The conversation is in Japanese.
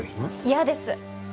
嫌です！